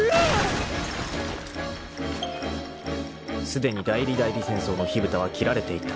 ［すでに代理代理戦争の火ぶたは切られていた］